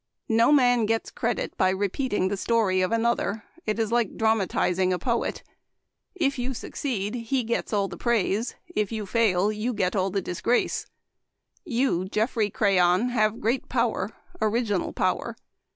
No man gets credit by re peating the story of another ; it is like dram atizing a poet. If you succeed, he gets all the praise ; if you i2J\,you get all the disgrace. You, Geoffrey Crayon, have great power — original power.